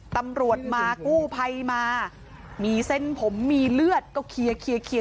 ตำรวจมากู้ภัยมามีเส้นผมมีเลือดก็เคลียร์